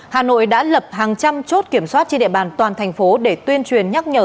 hà nội đã lập hàng trăm chốt kiểm soát trên địa bàn toàn thành phố để tuyên truyền nhắc nhở